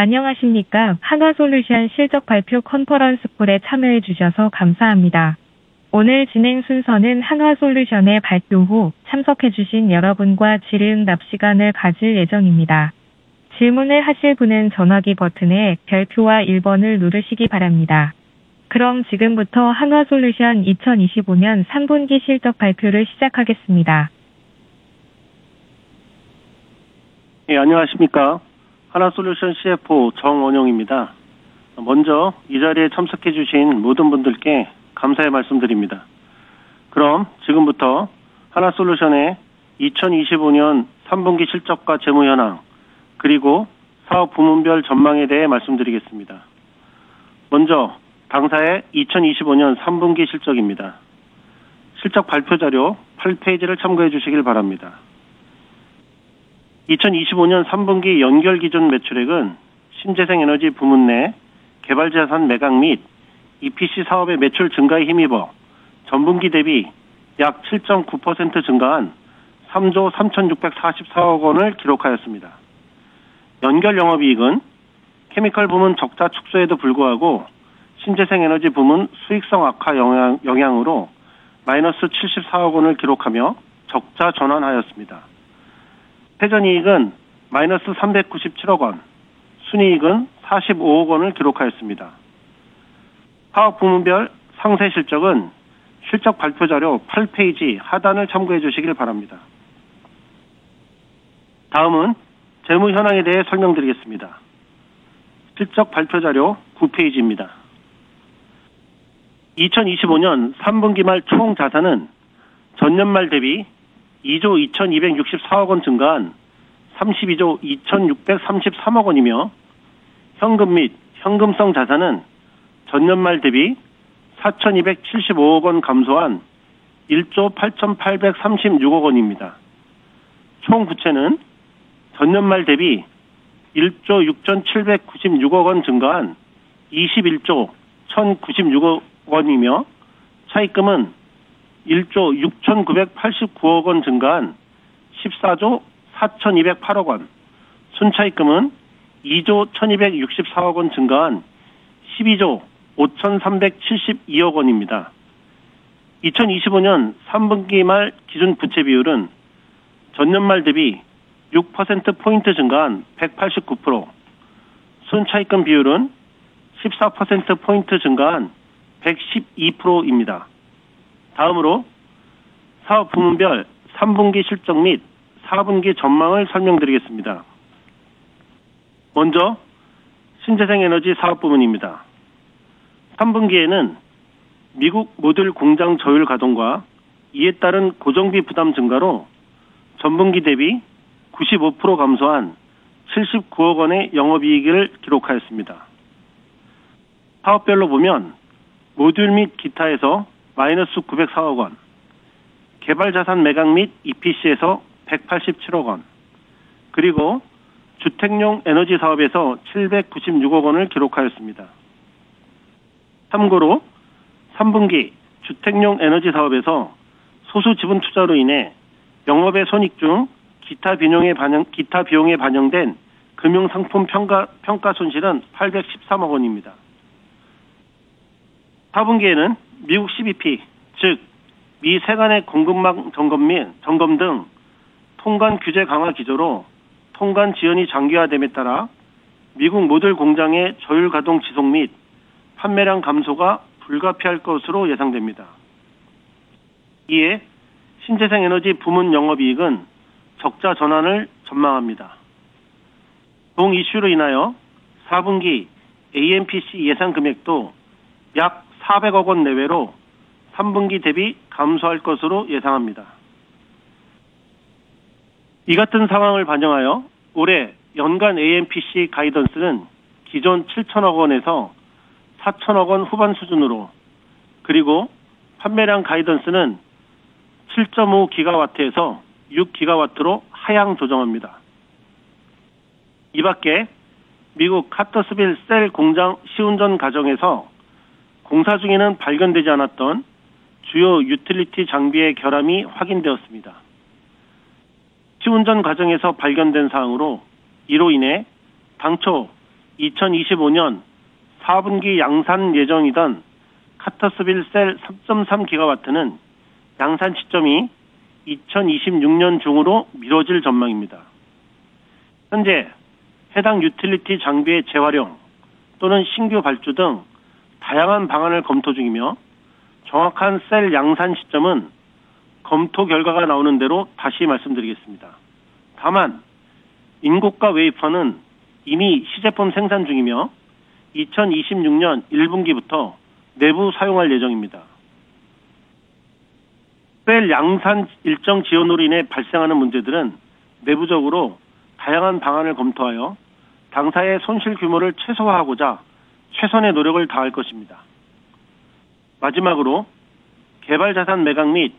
안녕하십니까, 한화솔루션 실적 발표 컨퍼런스콜에 참여해 주셔서 감사합니다. 오늘 진행 순서는 한화솔루션의 발표 후 참석해 주신 여러분과 질의응답 시간을 가질 예정입니다. 질문을 하실 분은 전화기 버튼의 별표와 1번을 누르시기 바랍니다. 그럼 지금부터 한화솔루션 2025년 3분기 실적 발표를 시작하겠습니다. 예, 안녕하십니까. 한화솔루션 CFO 정원용입니다. 먼저 이 자리에 참석해 주신 모든 분들께 감사의 말씀드립니다. 그럼 지금부터 한화솔루션의 2025년 3분기 실적과 재무 현황, 그리고 사업 부문별 전망에 대해 말씀드리겠습니다. 먼저 당사의 2025년 3분기 실적입니다. 실적 발표 자료 8페이지를 참고해 주시길 바랍니다. 2025년 3분기 연결 기준 매출액은 신재생 에너지 부문 내 개발 자산 매각 및 EPC 사업의 매출 증가에 힘입어 전분기 대비 약 7.9% 증가한 ₩3조 3,644억 원을 기록하였습니다. 연결 영업이익은 케미컬 부문 적자 축소에도 불구하고 신재생 에너지 부문 수익성 악화 영향으로 마이너스 ₩74억 원을 기록하며 적자 전환하였습니다. 회전이익은 마이너스 ₩397억 원, 순이익은 ₩45억 원을 기록하였습니다. 사업 부문별 상세 실적은 실적 발표 자료 8페이지 하단을 참고해 주시길 바랍니다. 다음은 재무 현황에 대해 설명드리겠습니다. 실적 발표 자료 9페이지입니다. 2025년 3분기 말총 자산은 전년 말 대비 ₩2조 2,264억 원 증가한 ₩32조 2,633억 원이며, 현금 및 현금성 자산은 전년 말 대비 ₩4,275억 원 감소한 ₩1조 8,836억 원입니다. 총 부채는 전년 말 대비 ₩1조 6,796억 원 증가한 ₩21조 1,096억 원이며 차입금은 ₩1조 6,989억 원 증가한 ₩14조 4,208억 원, 순차입금은 ₩2조 1,264억 원 증가한 ₩12조 5,372억 원입니다. 2025년 3분기 말 기준 부채 비율은 전년 말 대비 6%포인트 증가한 189%, 순차입금 비율은 14%포인트 증가한 112%입니다. 다음으로 사업 부문별 3분기 실적 및 4분기 전망을 설명드리겠습니다. 먼저 신재생 에너지 사업 부문입니다. 3분기에는 미국 모듈 공장 조율 가동과 이에 따른 고정비 부담 증가로 전분기 대비 95% 감소한 ₩79억 원의 영업이익을 기록하였습니다. 사업별로 보면 모듈 및 기타에서 마이너스 ₩904억 원, 개발 자산 매각 및 EPC에서 ₩187억 원, 그리고 주택용 에너지 사업에서 ₩796억 원을 기록하였습니다. 참고로 3분기 주택용 에너지 사업에서 소수 지분 투자로 인해 영업외 손익 중 기타 비용에 반영된 금융 상품 평가 손실은 ₩813억 원입니다. 4분기에는 미국 CBP, 즉미 세관의 공급망 점검 등 통관 규제 강화 기조로 통관 지연이 장기화됨에 따라 미국 모듈 공장의 조율 가동 지속 및 판매량 감소가 불가피할 것으로 예상됩니다. 이에 신재생 에너지 부문 영업이익은 적자 전환을 전망합니다. 동 이슈로 인하여 4분기 AMPC 예상 금액도 약 ₩400억 원 내외로 3분기 대비 감소할 것으로 예상합니다. 이 같은 상황을 반영하여 올해 연간 AMPC 가이던스는 기존 ₩7,000억 원에서 ₩4,000억 원 후반 수준으로, 그리고 판매량 가이던스는 7.5GW에서 6GW로 하향 조정합니다. 이 밖에 미국 카터스빌 셀 공장 시운전 과정에서 공사 중에는 발견되지 않았던 주요 유틸리티 장비의 결함이 확인되었습니다. 시운전 과정에서 발견된 사항으로 이로 인해 당초 2025년 4분기 양산 예정이던 카터스빌 셀 3.3GW는 양산 시점이 2026년 중으로 미뤄질 전망입니다. 현재 해당 유틸리티 장비의 재활용 또는 신규 발주 등 다양한 방안을 검토 중이며 정확한 셀 양산 시점은 검토 결과가 나오는 대로 다시 말씀드리겠습니다. 다만 인고가 웨이퍼는 이미 시제품 생산 중이며 2026년 1분기부터 내부 사용할 예정입니다. 셀 양산 일정 지연으로 인해 발생하는 문제들은 내부적으로 다양한 방안을 검토하여 당사의 손실 규모를 최소화하고자 최선의 노력을 다할 것입니다. 마지막으로 개발 자산 매각 및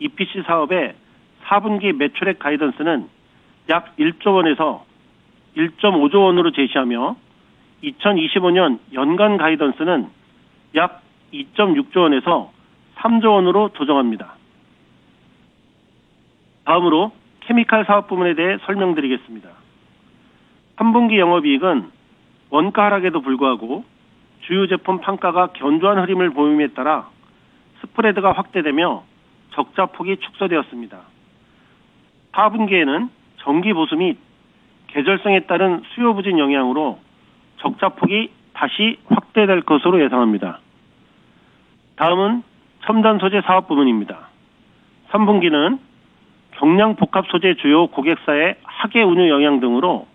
EPC 사업의 4분기 매출액 가이던스는 약 ₩1조 원에서 ₩1.5조 원으로 제시하며 2025년 연간 가이던스는 약 ₩2.6조 원에서 ₩3조 원으로 조정합니다. 다음으로 케미컬 사업 부문에 대해 설명드리겠습니다. 3분기 영업이익은 원가 하락에도 불구하고 주요 제품 평가가 견조한 흐름을 보임에 따라 스프레드가 확대되며 적자 폭이 축소되었습니다. 4분기에는 정기 보수 및 계절성에 따른 수요 부진 영향으로 적자 폭이 다시 확대될 것으로 예상합니다. 다음은 첨단 소재 사업 부문입니다. 3분기는 경량 복합 소재 주요 고객사의 하계 운용 영향 등으로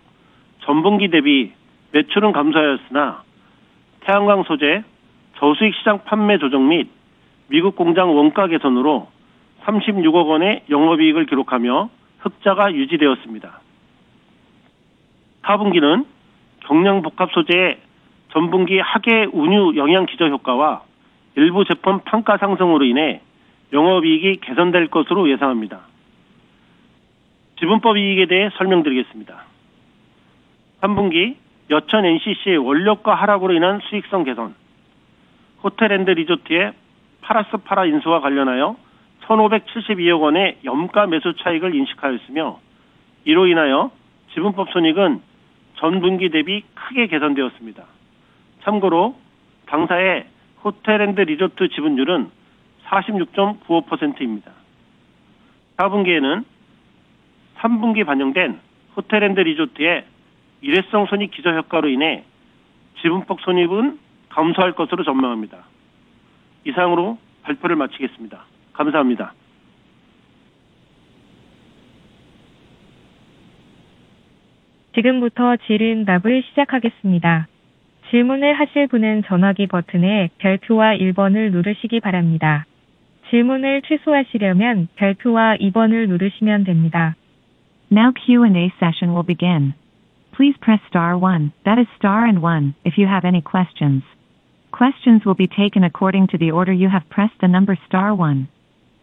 전분기 대비 매출은 감소하였으나, 태양광 소재 저수익 시장 판매 조정 및 미국 공장 원가 개선으로 ₩36억 원의 영업이익을 기록하며 흑자가 유지되었습니다. 4분기는 경량 복합 소재의 전분기 하계 운용 영향 기저 효과와 일부 제품 평가 상승으로 인해 영업이익이 개선될 것으로 예상합니다. 지분법 이익에 대해 설명드리겠습니다. 3분기 여천 NCC의 원력가 하락으로 인한 수익성 개선, 호텔 앤드 리조트의 파라스파라 인수와 관련하여 ₩1,572억 원의 염가 매수 차익을 인식하였으며 이로 인하여 지분법 손익은 전분기 대비 크게 개선되었습니다. 참고로 당사의 호텔 앤드 리조트 지분율은 46.95%입니다. 4분기에는 3분기 반영된 호텔 앤드 리조트의 일회성 손익 기저 효과로 인해 지분법 손익은 감소할 것으로 전망합니다. 이상으로 발표를 마치겠습니다. 감사합니다. 지금부터 질의응답을 시작하겠습니다. 질문을 하실 분은 전화기 버튼의 별표와 1번을 누르시기 바랍니다. 질문을 취소하시려면 별표와 2번을 누르시면 됩니다. Now Q&A session will begin. Please press star one, that is star and one, if you have any questions. Questions will be taken according to the order you have pressed the number star one.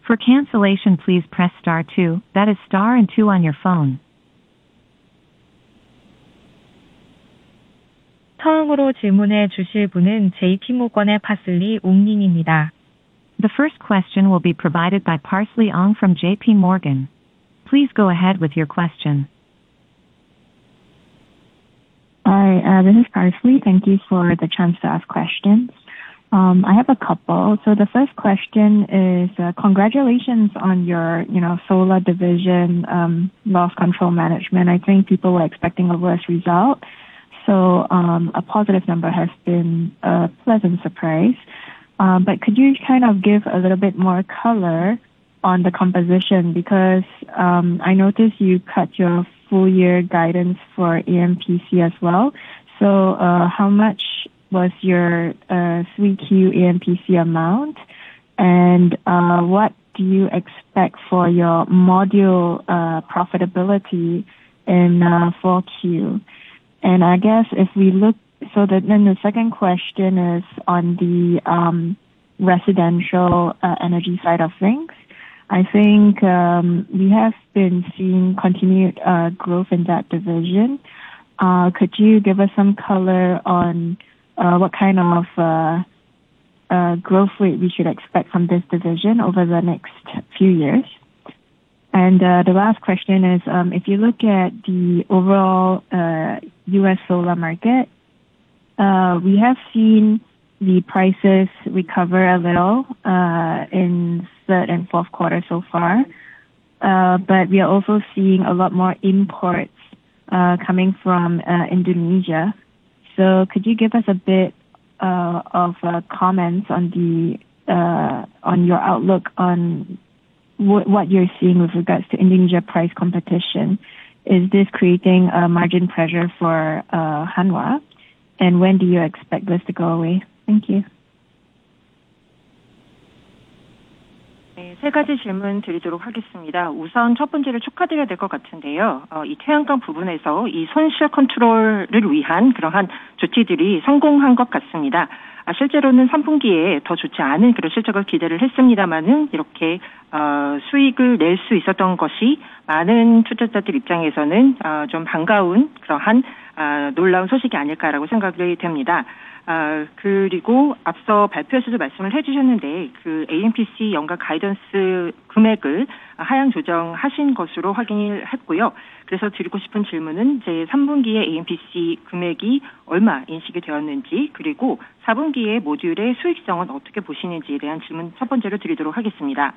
For cancellation, please press star two, that is star and two on your phone. 처음으로 질문해 주실 분은 JP모건의 파슬리 옹닝입니다. The first question will be provided by Parsley Ong from JP Morgan. Please go ahead with your question. Hi, this is Parsley. Thank you for the chance to ask questions. I have a couple. The first question is congratulations on your solar division loss control management. I think people were expecting a worse result. A positive number has been a pleasant surprise. But could you kind of give a little bit more color on the composition? Because I noticed you cut your full-year guidance for AMPC as well. How much was your 3Q AMPC amount? What do you expect for your module profitability in 4Q? If we look at the second question on the residential energy side of things, I think we have been seeing continued growth in that division. Could you give us some color on what kind of growth rate we should expect from this division over the next few years? The last question is if you look at the overall US solar market, we have seen the prices recover a little in third and fourth quarter so far. But we are also seeing a lot more imports coming from Indonesia. Could you give us a bit of comments on your outlook on what you're seeing with regards to Indonesia price competition? Is this creating a margin pressure for Hanwha? When do you expect this to go away? Thank you. 세 가지 질문 드리도록 하겠습니다. 우선 첫 번째로 축하드려야 될것 같은데요. 태양광 부분에서 이 손실 컨트롤을 위한 그러한 조치들이 성공한 것 같습니다. 실제로는 3분기에 더 좋지 않은 그런 실적을 기대를 했습니다만, 이렇게 수익을 낼수 있었던 것이 많은 투자자들 입장에서는 좀 반가운 그러한 놀라운 소식이 아닐까라고 생각이 됩니다. 그리고 앞서 발표에서도 말씀을 해 주셨는데, AMPC 연간 가이던스 금액을 하향 조정하신 것으로 확인을 했고요. 그래서 드리고 싶은 질문은 제3분기에 AMPC 금액이 얼마 인식이 되었는지, 그리고 4분기에 모듈의 수익성은 어떻게 보시는지에 대한 질문 첫 번째로 드리도록 하겠습니다.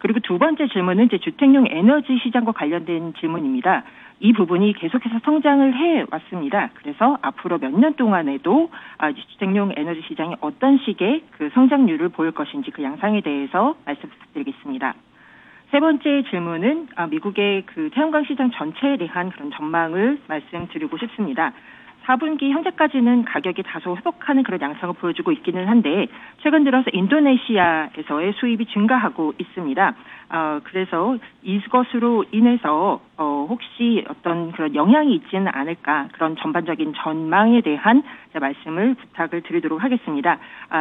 그리고 두 번째 질문은 주택용 에너지 시장과 관련된 질문입니다. 이 부분이 계속해서 성장을 해왔습니다. 그래서 앞으로 몇년 동안에도 주택용 에너지 시장이 어떤 식의 성장률을 보일 것인지, 그 양상에 대해서 말씀드리겠습니다. 세 번째 질문은 미국의 태양광 시장 전체에 대한 그런 전망을 말씀드리고 싶습니다. 4분기 현재까지는 가격이 다소 회복하는 그런 양상을 보여주고 있기는 한데, 최근 들어서 인도네시아에서의 수입이 증가하고 있습니다. 그래서 이것으로 인해서 혹시 어떤 그런 영향이 있지는 않을까, 그런 전반적인 전망에 대한 말씀을 부탁을 드리도록 하겠습니다.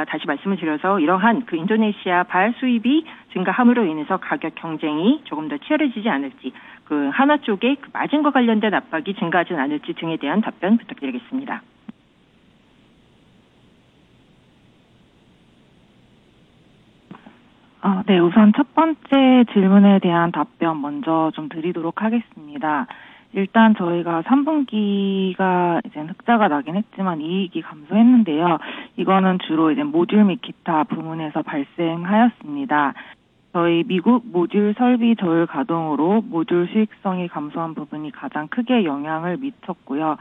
다시 말씀을 드려서 이러한 인도네시아발 수입이 증가함으로 인해서 가격 경쟁이 조금 더 치열해지지 않을지, 한화 쪽에 마진과 관련된 압박이 증가하지는 않을지 등에 대한 답변 부탁드리겠습니다. 네, 우선 첫 번째 질문에 대한 답변 먼저 드리도록 하겠습니다. 일단 저희가 3분기가 흑자가 나긴 했지만 이익이 감소했는데요. 이거는 주로 모듈 및 기타 부문에서 발생하였습니다. 저희 미국 모듈 설비 조율 가동으로 모듈 수익성이 감소한 부분이 가장 크게 영향을 미쳤고요.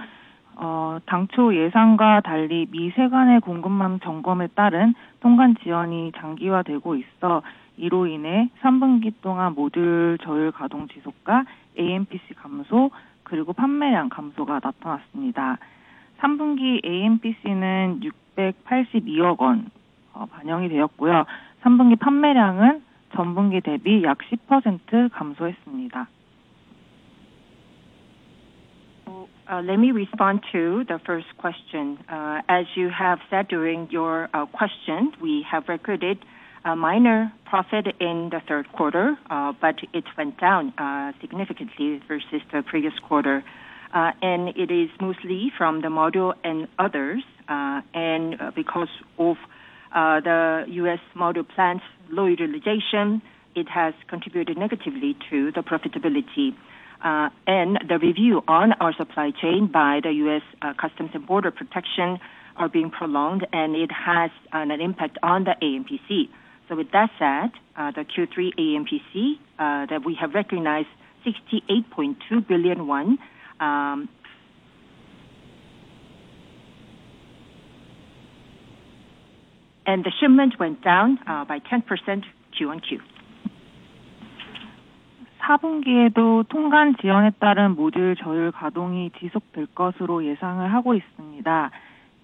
당초 예상과 달리 미 세관의 공급망 점검에 따른 통관 지연이 장기화되고 있어 이로 인해 3분기 동안 모듈 조율 가동 지속과 AMPC 감소, 그리고 판매량 감소가 나타났습니다. 3분기 AMPC는 ₩682억 반영이 되었고요. 3분기 판매량은 전분기 대비 약 10% 감소했습니다. Let me respond to the first question. As you have said during your question, we have recorded a minor profit in the third quarter, but it went down significantly versus the previous quarter. It is mostly from the module and others. Because of the US module plant's low utilization, it has contributed negatively to the profitability. The review on our supply chain by the US Customs and Border Protection are being prolonged, and it has an impact on the AMPC. So with that said, the Q3 AMPC that we have recognized ₩68.2 billion. The shipment went down by 10% QoQ. 4분기에도 통관 지연에 따른 모듈 조율 가동이 지속될 것으로 예상하고 있습니다.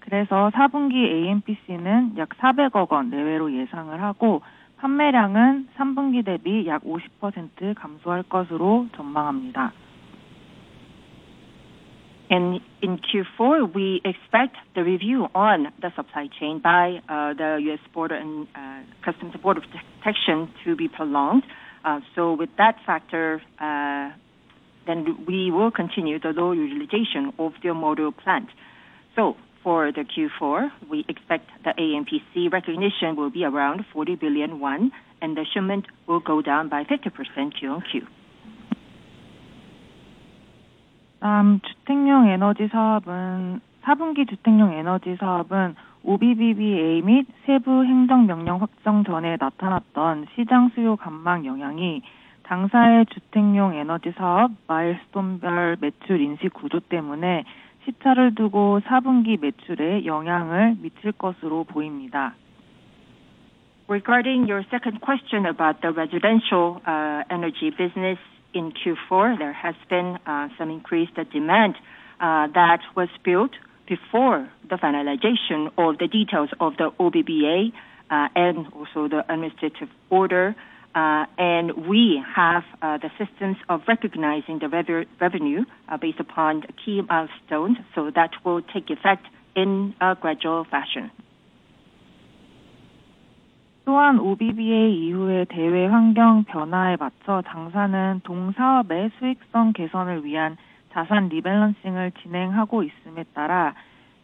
그래서 4분기 AMPC는 약 ₩400억 내외로 예상하고, 판매량은 3분기 대비 약 50% 감소할 것으로 전망합니다. In Q4, we expect the review on the supply chain by the US Customs and Border Protection to be prolonged. With that factor, we will continue the low utilization of the module plant. For Q4, we expect the AMPC recognition will be around ₩40 billion, and the shipment will go down by 50% quarter-over-quarter. 주택용 에너지 사업은 4분기 주택용 에너지 사업은 OBBBA 및 세부 행정명령 확정 전에 나타났던 시장 수요 감소 영향이 당사의 주택용 에너지 사업 마일스톤별 매출 인식 구조 때문에 시차를 두고 4분기 매출에 영향을 미칠 것으로 보입니다. Regarding your second question about the residential energy business in Q4, there has been some increased demand that was built before the finalization of the details of the OBBA and also the administrative order. We have the systems of recognizing the revenue based upon key milestones, so that will take effect in a gradual fashion. 또한 OBBA 이후의 대외 환경 변화에 맞춰 당사는 동 사업의 수익성 개선을 위한 자산 리밸런싱을 진행하고 있음에 따라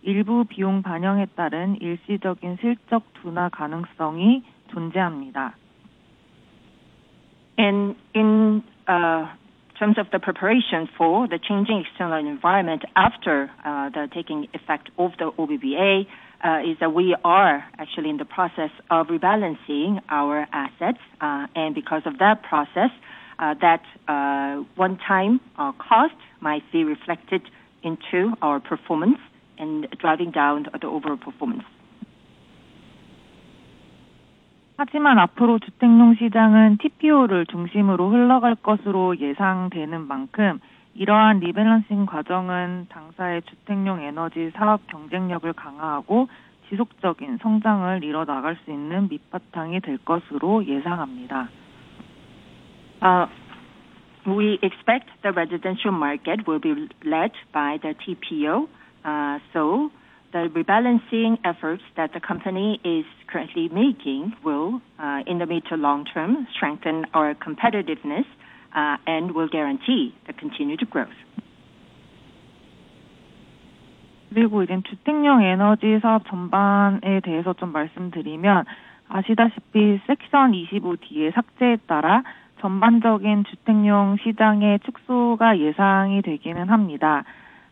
일부 비용 반영에 따른 일시적인 실적 둔화 가능성이 존재합니다. In terms of the preparation for the changing external environment after the taking effect of the OBBA, we are actually in the process of rebalancing our assets. Because of that process, that one-time cost might be reflected into our performance and driving down the overall performance. 하지만 앞으로 주택용 시장은 TPO를 중심으로 흘러갈 것으로 예상되는 만큼, 이러한 리밸런싱 과정은 당사의 주택용 에너지 사업 경쟁력을 강화하고 지속적인 성장을 이뤄나갈 수 있는 밑바탕이 될 것으로 예상합니다. We expect the residential market will be led by the TPO. The rebalancing efforts that the company is currently making will, in the mid to long term, strengthen our competitiveness and will guarantee the continued growth. 그리고 이제 주택용 에너지 사업 전반에 대해서 좀 말씀드리면 아시다시피 섹션 25D의 삭제에 따라 전반적인 주택용 시장의 축소가 예상되기는 합니다.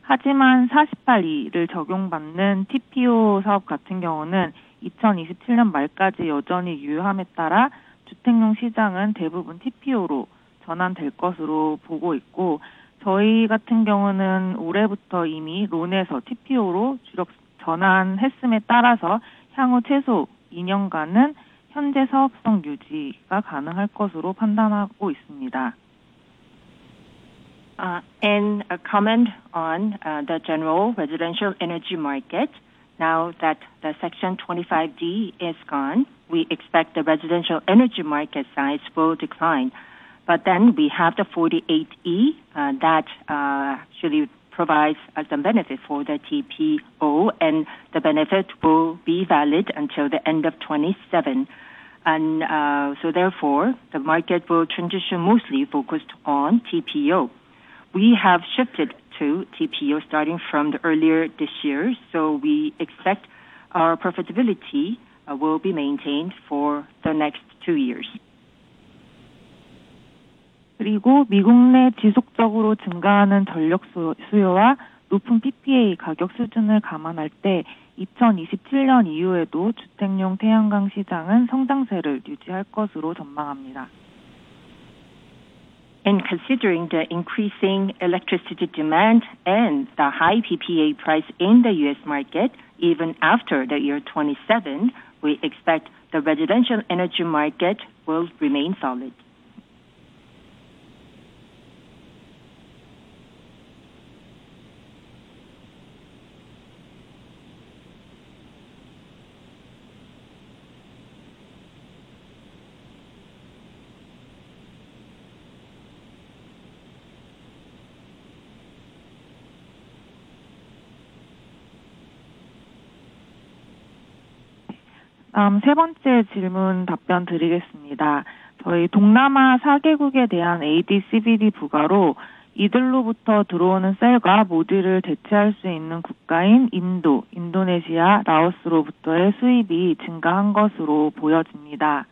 하지만 482를 적용받는 TPO 사업 같은 경우는 2027년 말까지 여전히 유효함에 따라 주택용 시장은 대부분 TPO로 전환될 것으로 보고 있고, 저희 같은 경우는 올해부터 이미 론에서 TPO로 전환했음에 따라서 향후 최소 2년간은 현재 사업성 유지가 가능할 것으로 판단하고 있습니다. A comment on the general residential energy market. Now that the Section 25D is gone, we expect the residential energy market size will decline. But then we have the 48E that actually provides some benefit for the TPO, and the benefit will be valid until the end of '27. Therefore, the market will transition mostly focused on TPO. We have shifted to TPO starting from earlier this year, so we expect our profitability will be maintained for the next two years. 그리고 미국 내 지속적으로 증가하는 전력 수요와 높은 PPA 가격 수준을 감안할 때 2027년 이후에도 주택용 태양광 시장은 성장세를 유지할 것으로 전망합니다. Considering the increasing electricity demand and the high PPA price in the U.S. market, even after the year 2027, we expect the residential energy market will remain solid. 세 번째 질문 답변 드리겠습니다. 저희 동남아 4개국에 대한 ADCBD 부과로 이들로부터 들어오는 셀과 모듈을 대체할 수 있는 국가인 인도, 인도네시아, 라오스로부터의 수입이 증가한 것으로 보여집니다.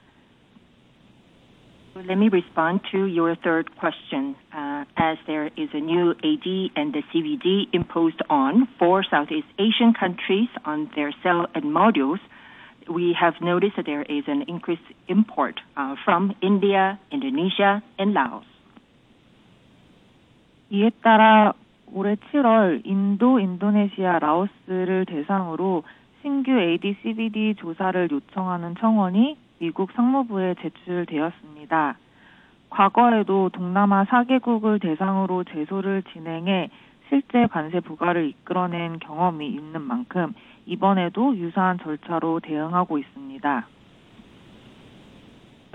Let me respond to your third question. As there is a new AD and CVD imposed on four Southeast Asian countries on their cells and modules, we have noticed that there is an increased import from India, Indonesia, and Laos. 이에 따라 올해 7월 인도, 인도네시아, 라오스를 대상으로 신규 ADCBD 조사를 요청하는 청원이 미국 상무부에 제출되었습니다. 과거에도 동남아 4개국을 대상으로 제소를 진행해 실제 관세 부과를 이끌어낸 경험이 있는 만큼 이번에도 유사한 절차로 대응하고 있습니다.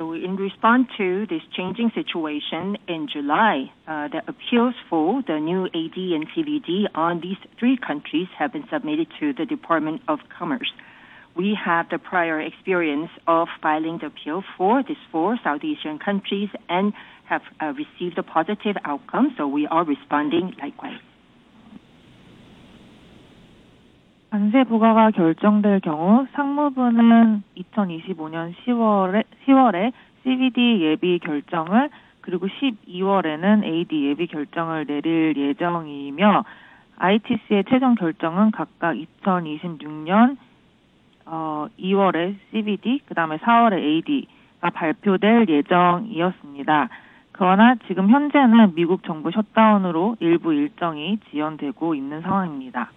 We respond to this changing situation in July. The appeals for the new AD and CVD on these three countries have been submitted to the Department of Commerce. We have the prior experience of filing the appeal for these four Southeast Asian countries and have received a positive outcome, so we are responding likewise. 관세 부과가 결정될 경우 상무부는 2025년 10월에 CVD 예비 결정을, 그리고 12월에는 AD 예비 결정을 내릴 예정이며 ITC의 최종 결정은 각각 2026년 2월에 CVD, 그다음에 4월에 AD가 발표될 예정이었습니다. 그러나 지금 현재는 미국 정부 셧다운으로 일부 일정이 지연되고 있는 상황입니다.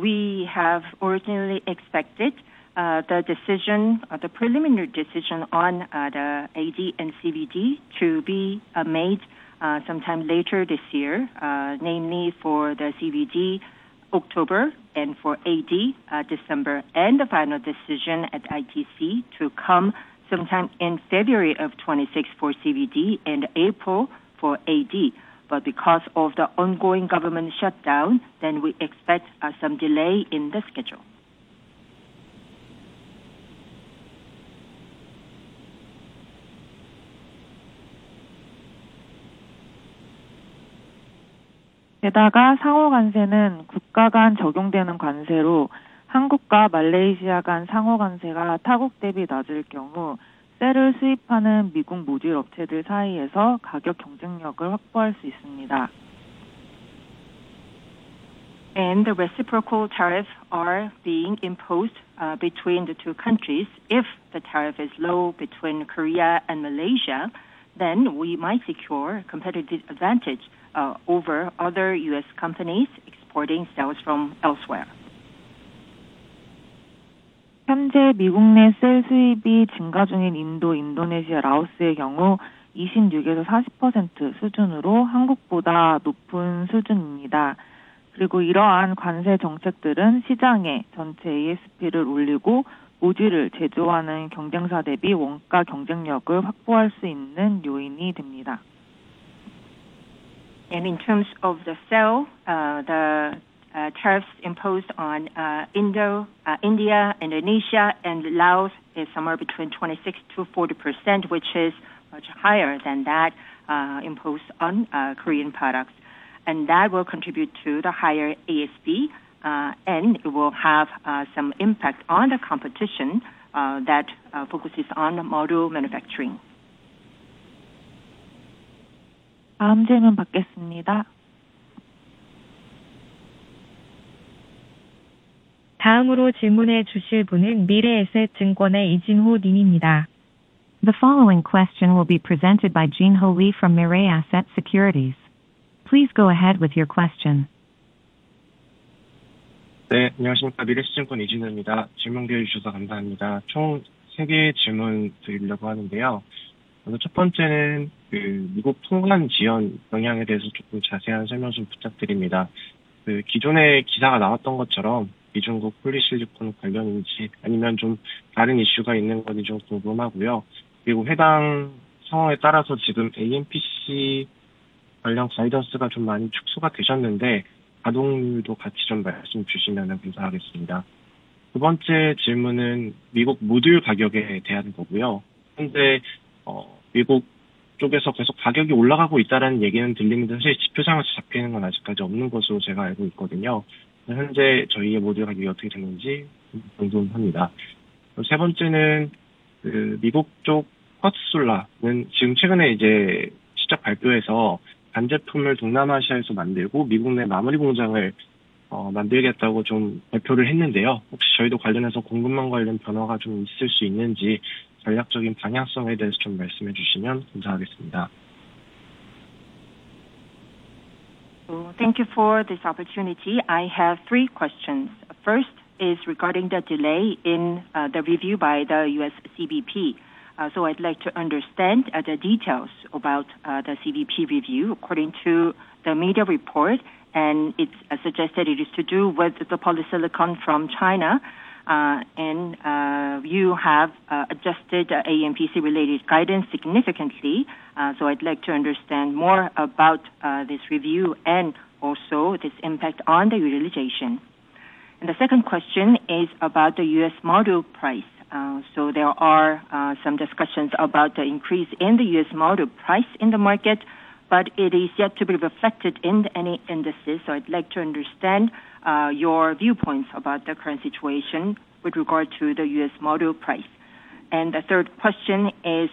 We have originally expected the decision, the preliminary decision on the AD and CVD to be made sometime later this year, namely for the CVD October and for AD December, and the final decision at ITC to come sometime in February of 2026 for CVD and April for AD. But because of the ongoing government shutdown, we expect some delay in the schedule. 게다가 상호 관세는 국가 간 적용되는 관세로 한국과 말레이시아 간 상호 관세가 타국 대비 낮을 경우 셀을 수입하는 미국 모듈 업체들 사이에서 가격 경쟁력을 확보할 수 있습니다. The reciprocal tariffs are being imposed between the two countries. If the tariff is low between Korea and Malaysia, then we might secure a competitive advantage over other US companies exporting cells from elsewhere. 현재 미국 내셀 수입이 증가 중인 인도, 인도네시아, 라오스의 경우 26%에서 40% 수준으로 한국보다 높은 수준입니다. 그리고 이러한 관세 정책들은 시장의 전체 ASP를 올리고 모듈을 제조하는 경쟁사 대비 원가 경쟁력을 확보할 수 있는 요인이 됩니다. In terms of the cell, the tariffs imposed on India, Indonesia, and Laos is somewhere between 26% to 40%, which is much higher than that imposed on Korean products. That will contribute to the higher ASP and will have some impact on the competition that focuses on the module manufacturing. 다음 질문 받겠습니다. 다음으로 질문해 주실 분은 미래에셋증권의 이진호 님입니다. The following question will be presented by Jinho Lee from Mirae Asset Securities. Please go ahead with your question. 네, 안녕하십니까. 미래에셋증권 이진호입니다. 질문 기회 주셔서 감사합니다. 총 3개의 질문 드리려고 하는데요. 먼저 첫 번째는 미국 통관 지연 영향에 대해서 조금 자세한 설명 좀 부탁드립니다. 기존에 기사가 나왔던 것처럼 미중 폴리실리콘 관련인지 아니면 좀 다른 이슈가 있는 건지 좀 궁금하고요. 그리고 해당 상황에 따라서 지금 AMPC 관련 가이던스가 좀 많이 축소가 되셨는데 가동률도 같이 좀 말씀해 주시면 감사하겠습니다. 두 번째 질문은 미국 모듈 가격에 대한 거고요. 현재 미국 쪽에서 계속 가격이 올라가고 있다는 얘기는 들리는데 사실 지표상에서 잡히는 건 아직까지 없는 것으로 제가 알고 있거든요. 현재 저희의 모듈 가격이 어떻게 되는지 좀 궁금합니다. 세 번째는 미국 쪽 쿼츠 솔라는 지금 최근에 시작 발표에서 반제품을 동남아시아에서 만들고 미국 내 마무리 공장을 만들겠다고 좀 발표를 했는데요. 혹시 저희도 관련해서 공급망 관련 변화가 좀 있을 수 있는지 전략적인 방향성에 대해서 좀 말씀해 주시면 감사하겠습니다. Thank you for this opportunity. I have three questions. First is regarding the delay in the review by the U.S. CBP. I'd like to understand the details about the CBP review. According to the media report, it's suggested it is to do with the polysilicon from China. You have adjusted AMPC-related guidance significantly, so I'd like to understand more about this review and also its impact on the utilization. The second question is about the U.S. module price. There are some discussions about the increase in the U.S. module price in the market, but it is yet to be reflected in any indices, so I'd like to understand your viewpoints about the current situation with regard to the U.S. module price. The third question is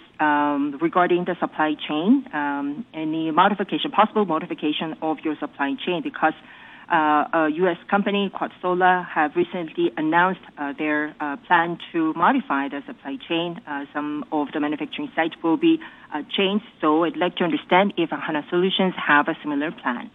regarding the supply chain. Any modification, possible modification of your supply chain because a U.S. company called Sola has recently announced their plan to modify the supply chain. Some of the manufacturing sites will be changed, so I'd like to understand if Hanwha Solutions have a similar plan.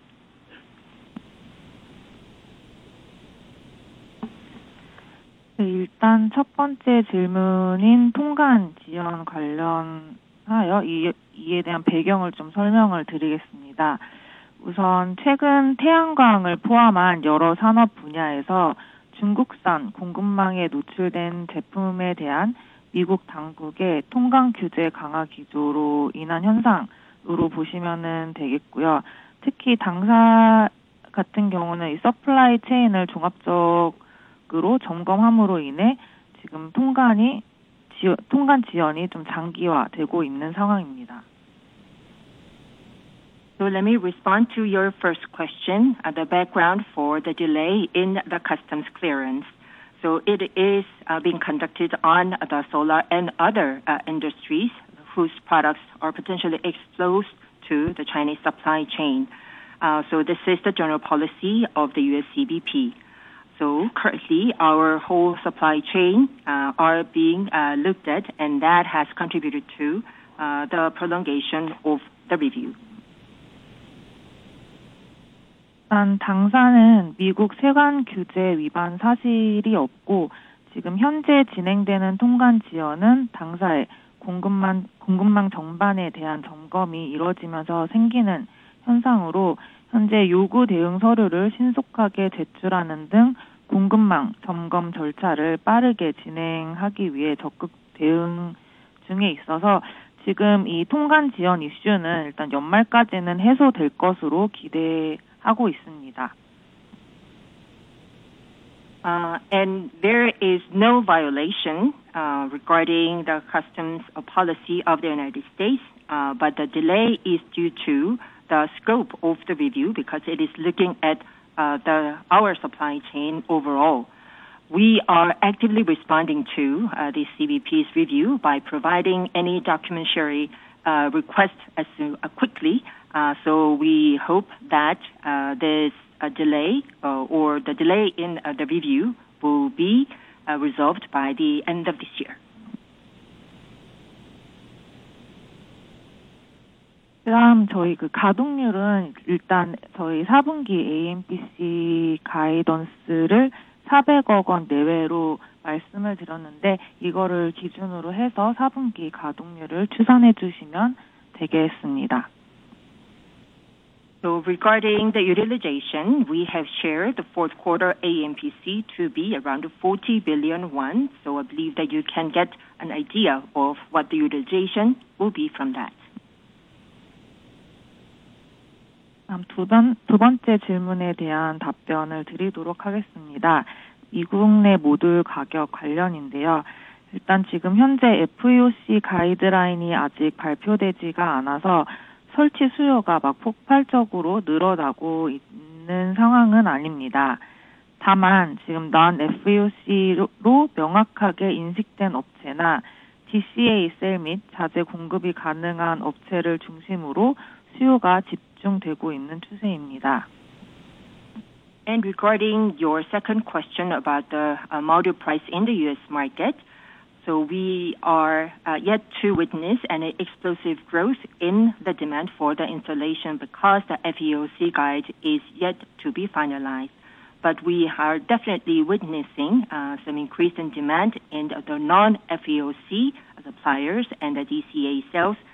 일단 첫 번째 질문인 통관 지연 관련하여 이에 대한 배경을 좀 설명을 드리겠습니다. 우선 최근 태양광을 포함한 여러 산업 분야에서 중국산 공급망에 노출된 제품에 대한 미국 당국의 통관 규제 강화 기조로 인한 현상으로 보시면 되겠고요. 특히 당사 같은 경우는 이 서플라이 체인을 종합적으로 점검함으로 인해 지금 통관 지연이 좀 장기화되고 있는 상황입니다. Let me respond to your first question, the background for the delay in the customs clearance. It is being conducted on the solar and other industries whose products are potentially exposed to the Chinese supply chain. This is the general policy of the US CBP. Currently, our whole supply chain is being looked at, and that has contributed to the prolongation of the review. 일단 당사는 미국 세관 규제 위반 사실이 없고, 지금 현재 진행되는 통관 지연은 당사의 공급망 전반에 대한 점검이 이루어지면서 생기는 현상으로, 현재 요구 대응 서류를 신속하게 제출하는 등 공급망 점검 절차를 빠르게 진행하기 위해 적극 대응 중에 있어서 지금 이 통관 지연 이슈는 일단 연말까지는 해소될 것으로 기대하고 있습니다. There is no violation regarding the customs policy of the United States, but the delay is due to the scope of the review because it is looking at our supply chain overall. We are actively responding to the CBP's review by providing any documentary requests as quickly as possible, so we hope that this delay or the delay in the review will be resolved by the end of this year. 그다음 저희 가동률은 일단 저희 4분기 AMPC 가이던스를 400억 원 내외로 말씀을 드렸는데, 이거를 기준으로 해서 4분기 가동률을 추산해 주시면 되겠습니다. Regarding the utilization, we have shared the fourth quarter AMPC to be around ₩40 billion, so I believe that you can get an idea of what the utilization will be from that. 두 번째 질문에 대한 답변을 드리도록 하겠습니다. 미국 내 모듈 가격 관련인데요. 일단 지금 현재 FEOC 가이드라인이 아직 발표되지가 않아서 설치 수요가 폭발적으로 늘어나고 있는 상황은 아닙니다. 다만 지금 non-FEOC로 명확하게 인식된 업체나 DCA 셀및 자재 공급이 가능한 업체를 중심으로 수요가 집중되고 있는 추세입니다. Regarding your second question about the module price in the US market, we are yet to witness an explosive growth in the demand for the installation because the FERC guide is yet to be finalized. But we are definitely witnessing some increase in demand in the non-FERC suppliers and the DCA cells and the materials that are manufactured in the US.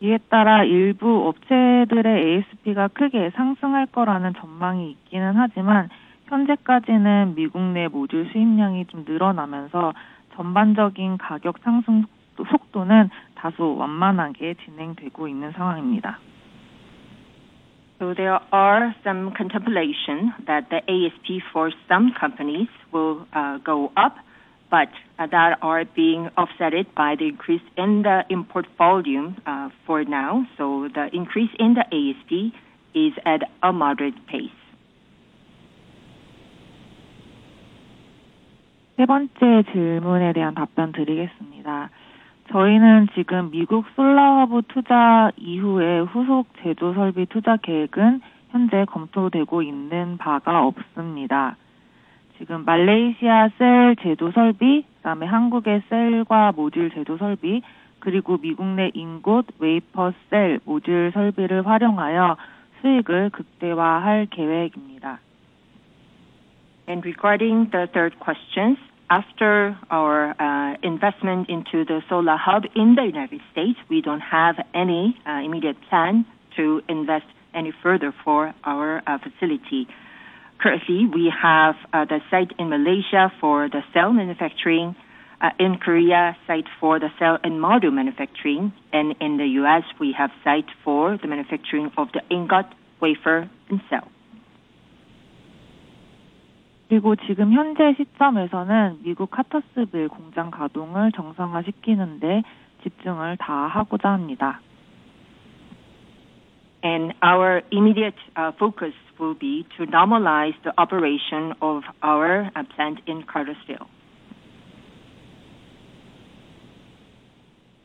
이에 따라 일부 업체들의 ASP가 크게 상승할 거라는 전망이 있기는 하지만, 현재까지는 미국 내 모듈 수입량이 좀 늘어나면서 전반적인 가격 상승 속도는 다소 완만하게 진행되고 있는 상황입니다. There are some contemplations that the ASP for some companies will go up, but that are being offset by the increase in the import volume for now, so the increase in the ASP is at a moderate pace. 세 번째 질문에 대한 답변 드리겠습니다. 저희는 지금 미국 솔라 화부 투자 이후에 후속 제조 설비 투자 계획은 현재 검토되고 있는 바가 없습니다. 지금 말레이시아 셀 제조 설비, 그다음에 한국의 셀과 모듈 제조 설비, 그리고 미국 내 잉곳 웨이퍼 셀 모듈 설비를 활용하여 수익을 극대화할 계획입니다. Regarding the third question, after our investment into the solar hub in the United States, we don't have any immediate plan to invest any further for our facility. Currently, we have the site in Malaysia for the cell manufacturing, in Korea site for the cell and module manufacturing, and in the U.S. we have site for the manufacturing of the ingot wafer and cell. 그리고 지금 현재 시점에서는 미국 카터스빌 공장 가동을 정상화시키는 데 집중을 다 하고자 합니다. Our immediate focus will be to normalize the operation of our plant in Cartersville.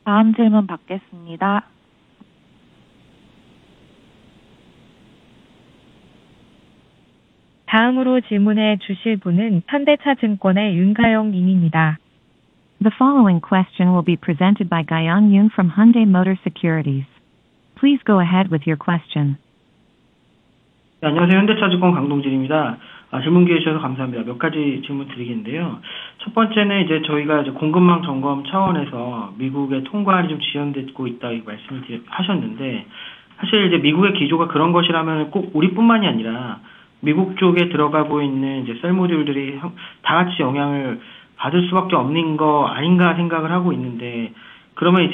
다음 질문 받겠습니다. 다음으로 질문해 주실 분은 현대차증권의 윤가영 님입니다. The following question will be presented by Ga-yeong Yoon from Hyundai Motor Securities. Please go ahead with your question. 안녕하세요. 현대차증권 강동진입니다. 질문 기회 주셔서 감사합니다. 몇 가지 질문 드리겠는데요. 첫 번째는 저희가 공급망 점검 차원에서 미국의 통관이 좀 지연되고 있다고 말씀하셨는데, 사실 미국의 기조가 그런 것이라면 꼭 우리뿐만 아니라 미국 쪽에 들어가고 있는 셀 모듈들이 다 같이 영향을 받을 수밖에 없는 거 아닌가 생각하고 있습니다. 그러면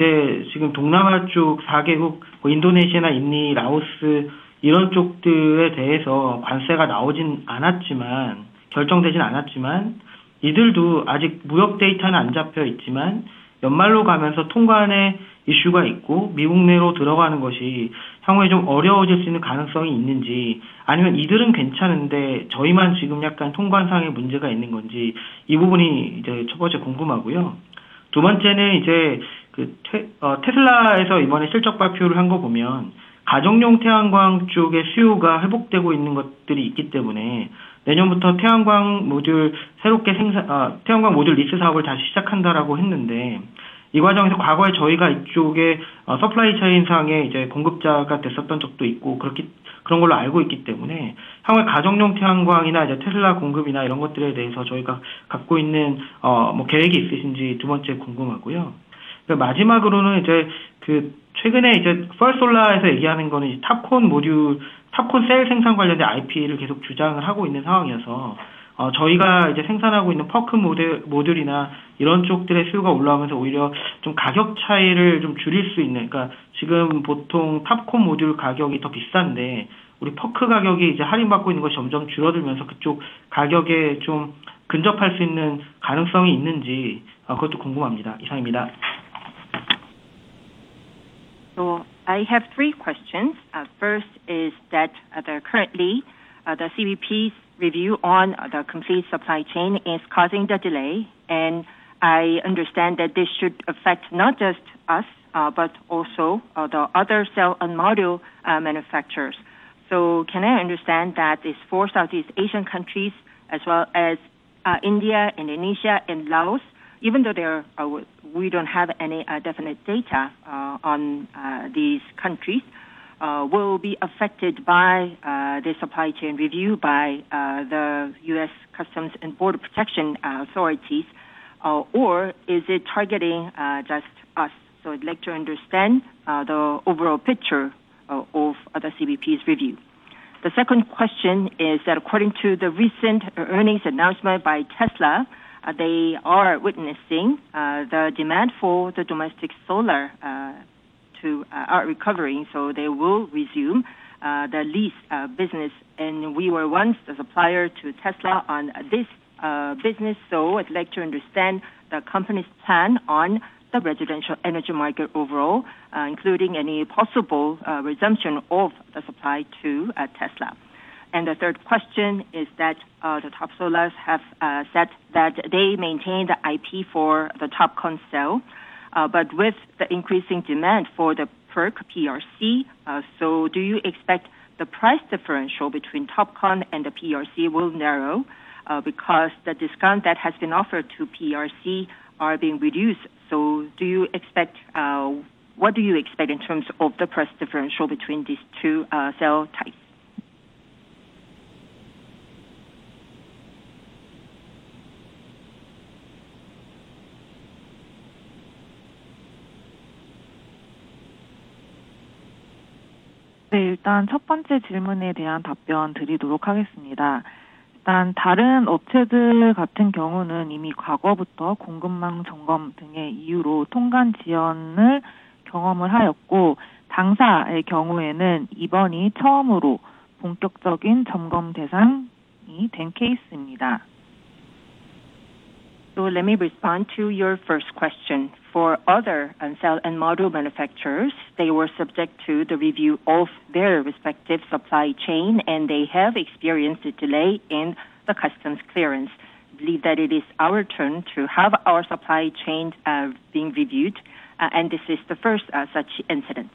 지금 동남아 쪽 4개국, 인도네시아나 인도, 라오스 이런 쪽들에 대해서 관세가 나오지 않았지만 결정되지 않았지만 이들도 아직 무역 데이터는 안 잡혀 있지만 연말로 가면서 통관에 이슈가 있고 미국 내로 들어가는 것이 향후에 좀 어려워질 수 있는 가능성이 있는지, 아니면 이들은 괜찮은데 저희만 지금 약간 통관상의 문제가 있는 건지 이 부분이 첫 번째 궁금하고요. 두 번째는 테슬라에서 이번에 실적 발표를 한거 보면 가정용 태양광 쪽의 수요가 회복되고 있는 것들이 있기 때문에 내년부터 태양광 모듈 새롭게 생산 태양광 모듈 리스 사업을 다시 시작한다고 했는데, 이 과정에서 과거에 저희가 이쪽에 서플라이 체인 상의 공급자가 됐었던 적도 있고 그런 걸로 알고 있기 때문에 향후에 가정용 태양광이나 테슬라 공급이나 이런 것들에 대해서 저희가 갖고 있는 계획이 있으신지 두 번째 궁금하고요. 마지막으로는 최근에 펄 솔라에서 얘기하는 거는 탑콘 모듈 탑콘 셀 생산 관련된 IP를 계속 주장하고 있는 상황이어서 저희가 생산하고 있는 퍼크 모듈이나 이런 쪽들의 수요가 올라오면서 오히려 좀 가격 차이를 좀 줄일 수 있는, 그러니까 지금 보통 탑콘 모듈 가격이 더 비싼데 우리 퍼크 가격이 할인받고 있는 것이 점점 줄어들면서 그쪽 가격에 좀 근접할 수 있는 가능성이 있는지 그것도 궁금합니다. 이상입니다. I have three questions. First is that currently the CBP's review on the complete supply chain is causing the delay and I understand that this should affect not just us but also the other cell and module manufacturers. Can I understand that it's for Southeast Asian countries as well as India, Indonesia, and Laos, even though we don't have any definite data on these countries, will be affected by the supply chain review by the US Customs and Border Protection Authorities. Or is it targeting just us? I'd like to understand the overall picture of the CBP's review. The second question is that according to the recent earnings announcement by Tesla, they are witnessing the demand for the domestic solar to are recovering, they will resume the lease business and we were once the supplier to Tesla on this business, I'd like to understand the company's plan on the residential energy market overall, including any possible resumption of the supply to Tesla. And the third question is that the top solars have said that they maintain the IP for the topcon cell, but with the increasing demand for the PERC PRC, do you expect the price differential between topcon and the PRC will narrow because the discount that has been offered to PRC are being reduced? What do you expect in terms of the price differential between these two cell types? 네, 일단 첫 번째 질문에 대한 답변 드리도록 하겠습니다. 일단 다른 업체들 같은 경우는 이미 과거부터 공급망 점검 등의 이유로 통관 지연을 경험하였고, 당사의 경우에는 이번이 처음으로 본격적인 점검 대상이 된 케이스입니다. Let me respond to your first question. For other cell and module manufacturers, they were subject to the review of their respective supply chain and they have experienced a delay in the customs clearance. I believe that it is our turn to have our supply chains being reviewed and this is the first such incident.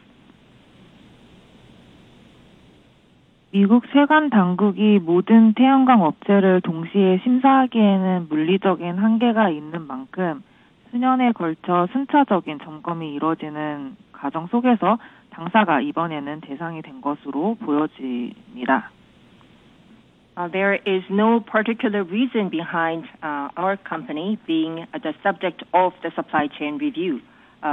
미국 세관 당국이 모든 태양광 업체를 동시에 심사하기에는 물리적인 한계가 있는 만큼, 수년에 걸쳐 순차적인 점검이 이루어지는 과정 속에서 당사가 이번에는 대상이 된 것으로 보입니다. There is no particular reason behind our company being the subject of the supply chain review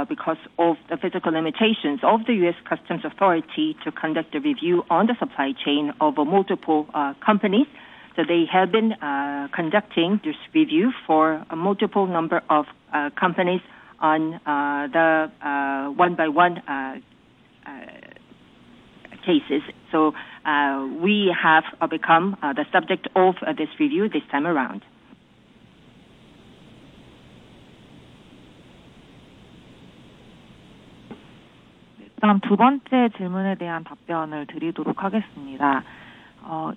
because of the physical limitations of the US Customs Authority to conduct the review on the supply chain of multiple companies. They have been conducting this review for a multiple number of companies on a one-by-one basis. We have become the subject of this review this time around. 그럼 두 번째 질문에 대한 답변을 드리도록 하겠습니다.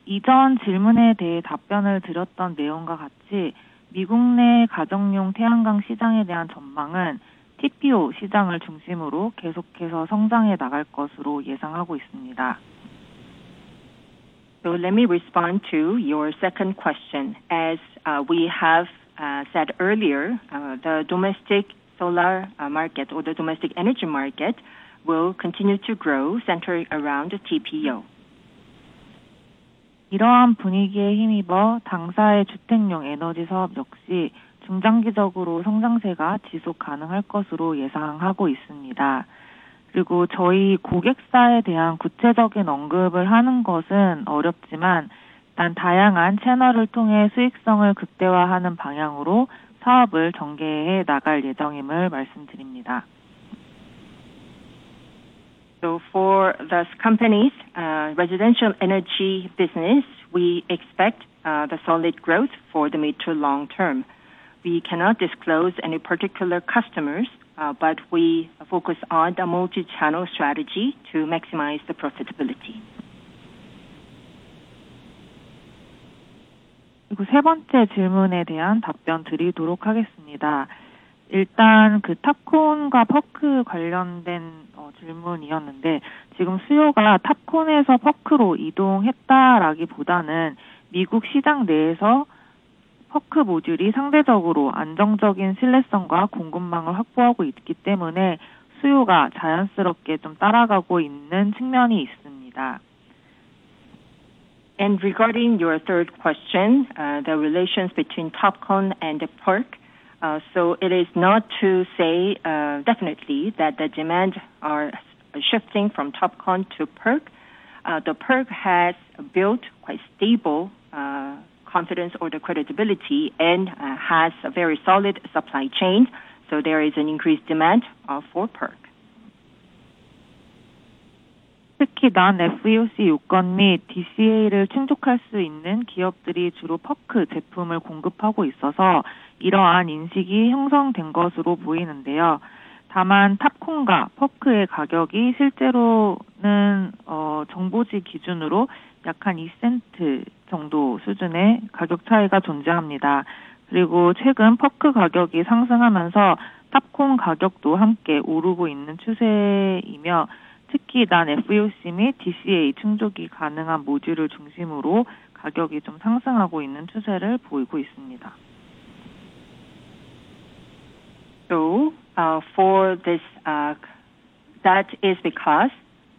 이전 질문에 대해 답변을 드렸던 내용과 같이 미국 내 가정용 태양광 시장에 대한 전망은 TPO 시장을 중심으로 계속해서 성장해 나갈 것으로 예상하고 있습니다. Let me respond to your second question. As we have said earlier, the domestic solar market or the domestic energy market will continue to grow centered around TPO. 이러한 분위기에 힘입어 당사의 주택용 에너지 사업 역시 중장기적으로 성장세가 지속 가능할 것으로 예상하고 있습니다. 그리고 저희 고객사에 대한 구체적인 언급을 하는 것은 어렵지만, 일단 다양한 채널을 통해 수익성을 극대화하는 방향으로 사업을 전개해 나갈 예정임을 말씀드립니다. For those companies, residential energy business, we expect solid growth for the mid to long term. We cannot disclose any particular customers, but we focus on the multi-channel strategy to maximize the profitability. 그리고 세 번째 질문에 대한 답변 드리도록 하겠습니다. 일단 그 탑콘과 퍼크 관련된 질문이었는데, 지금 수요가 탑콘에서 퍼크로 이동했다라기보다는 미국 시장 내에서 퍼크 모듈이 상대적으로 안정적인 신뢰성과 공급망을 확보하고 있기 때문에 수요가 자연스럽게 따라가고 있는 측면이 있습니다. Regarding your third question, the relations between TopCon and PERC, it is not to say definitely that the demand is shifting from TopCon to PERC. PERC has built quite stable confidence or credibility and has a very solid supply chain, so there is increased demand for PERC. 특히 non-PERC 육건 및 DCA를 충족할 수 있는 기업들이 주로 PERC 제품을 공급하고 있어서 이러한 인식이 형성된 것으로 보이는데요. 다만 TOPCon과 PERC의 가격이 실제로는 정보지 기준으로 약 2센트 정도 수준의 가격 차이가 존재합니다. 그리고 최근 PERC 가격이 상승하면서 TOPCon 가격도 함께 오르고 있는 추세이며, 특히 non-PERC 및 DCA 충족이 가능한 모듈을 중심으로 가격이 상승하고 있는 추세를 보이고 있습니다. For this, that is because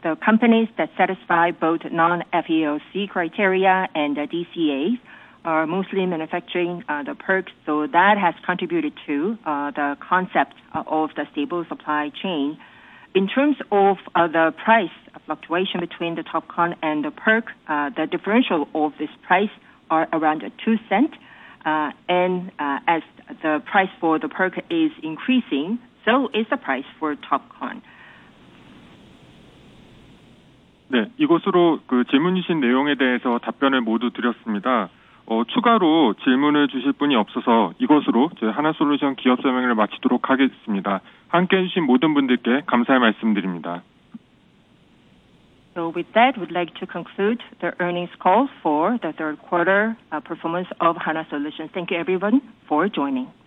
the companies that satisfy both non-FEOC criteria and DCAs are mostly manufacturing the PERC, so that has contributed to the concept of the stable supply chain. In terms of the price fluctuation between the TOPCon and the PERC, the differential of this price is around $0.02. And as the price for the PERC is increasing, so is the price for TOPCon. 네, 이것으로 질문 주신 내용에 대해서 답변을 모두 드렸습니다. 추가로 질문을 주실 분이 없어서 이것으로 저희 한화솔루션 기업 설명회를 마치도록 하겠습니다. 함께해 주신 모든 분들께 감사의 말씀 드립니다. With that, we'd like to conclude the earnings call for the third quarter performance of Hanwha Solutions. Thank you everyone for joining.